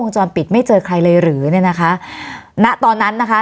วันนี้แม่ช่วยเงินมากกว่า